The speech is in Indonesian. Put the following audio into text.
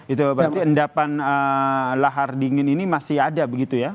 itu berarti endapan lahar dingin ini masih ada begitu ya